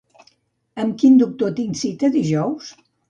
Amb quin doctor tinc cita dijous?